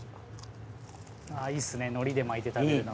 いいですね海苔で巻いて食べるの。